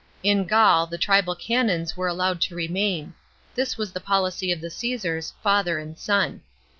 In Gaul the tribal cantons were allowed to remain ; this was the policy of the Caesars, father and son.